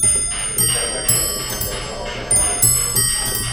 Rudisha maji na upondeponde tena viazi vyako